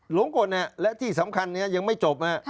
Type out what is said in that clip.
หลงกลและที่สำคัญนี้ยังไม่จบ